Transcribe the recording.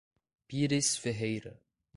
Pires Ferreira